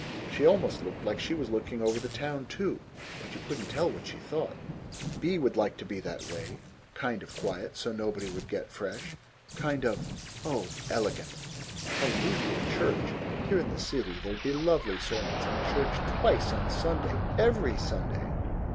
She almost looked like she was looking over the town, too. But you couldn't tell what she thought. Bea would like to be that way kind of quiet, so nobody would get fresh. Kind of oh, elegant. A Lutheran Church. Here in the city there'd be lovely sermons, and church twice on Sunday, EVERY Sunday!